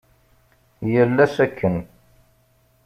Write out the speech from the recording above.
Yal ass akken.